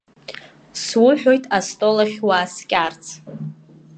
Суҳәоит астол ахь уааскьарц.